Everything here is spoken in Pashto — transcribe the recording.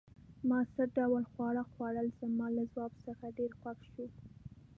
ما څه ډول خواړه خوړل؟ زما له ځواب څخه ډېر خوښ شو.